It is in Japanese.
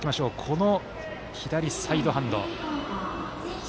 この左サイドハンド。